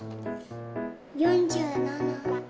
４７。